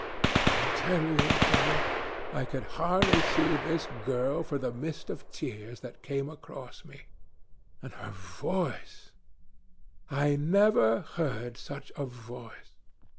I tell you, Harry, I could hardly see this girl for the mist of tears that came across me. And her voice—I never heard such a voice.